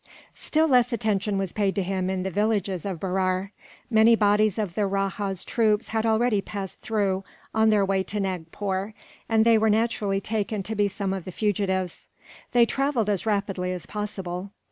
Still less attention was paid to him in the villages of Berar. Many bodies of the rajah's troops had already passed through, on their way to Nagpore, and they were naturally taken to be some of the fugitives. They travelled as rapidly as possible.